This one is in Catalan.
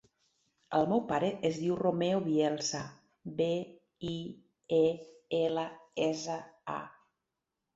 El meu pare es diu Romeo Bielsa: be, i, e, ela, essa, a.